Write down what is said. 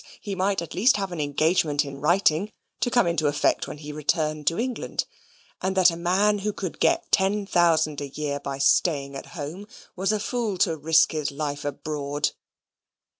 he might at least have an engagement in writing, to come into effect when he returned to England; and that a man who could get ten thousand a year by staying at home, was a fool to risk his life abroad.